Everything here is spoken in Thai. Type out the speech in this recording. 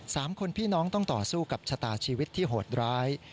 สามคนพี่น้องต้องต่อสู้กับชะตาชีวิตที่โหดร้าย